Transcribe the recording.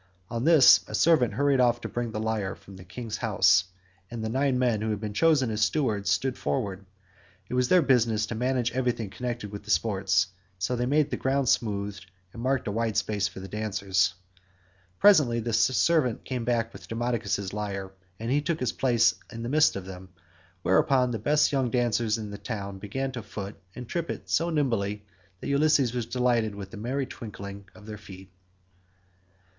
On this a servant hurried off to bring the lyre from the king's house, and the nine men who had been chosen as stewards stood forward. It was their business to manage everything connected with the sports, so they made the ground smooth and marked a wide space for the dancers. Presently the servant came back with Demodocus's lyre, and he took his place in the midst of them, whereon the best young dancers in the town began to foot and trip it so nimbly that Ulysses was delighted with the merry twinkling of their feet.